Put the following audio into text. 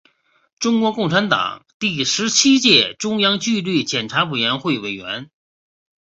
中国共产党第十七届中央纪律检查委员会委员。